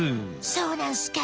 そうなんすか。